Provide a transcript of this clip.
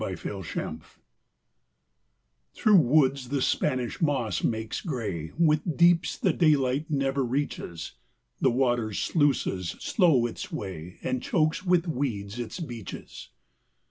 THE EGRET HUNTER Through woods the Spanish moss makes gray, With deeps the daylight never reaches, The water sluices slow its way, And chokes with weeds its beaches.